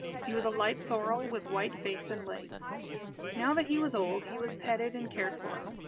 He was a light sorrel, with white face and legs. Now that he was old, he was petted and cared for.